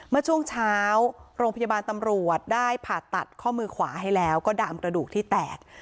เมื่อช่วงเช้าโรงพยาบาลตำรวจได้ผ่าตัดข้อมือขวาให้แล้วก็ดามกระดูกที่แตก